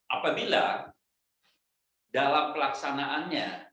apabila dalam pelaksanaannya